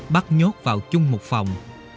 bắt nhốt vào chung một phòng